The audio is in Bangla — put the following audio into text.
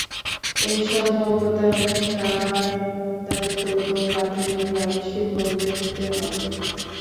এসব অজ্ঞতার দায় দায়িত্ব তো প্রাথমিকভাবে শিক্ষকদের নিতে হবে।